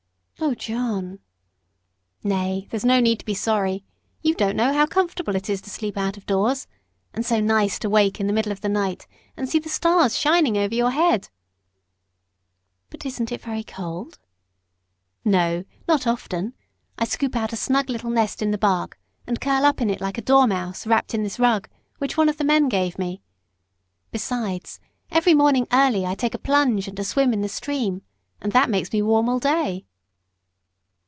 "Oh, John!" "Nay there's no need to be sorry. You don't know how comfortable it is to sleep out of doors; and so nice to wake in the middle of the night and see the stars shining over your head." "But isn't it very cold?" "No not often. I scoop out a snug little nest in the bark and curl up in it like a dormouse, wrapped in this rug, which one of the men gave me. Besides, every morning early I take a plunge and a swim in the stream, and that makes me warm all day."